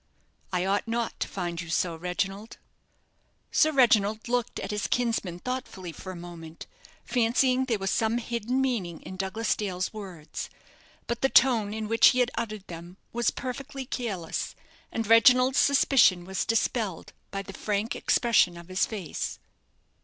"I ought not to find you so, Reginald." Sir Reginald looked at his kinsman thoughtfully for a moment, fancying there was some hidden meaning in Douglas Dale's words. But the tone in which he had uttered them was perfectly careless; and Reginald's suspicion was dispelled by the frank expression of his face.